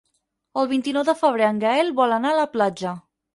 El vint-i-nou de febrer en Gaël vol anar a la platja.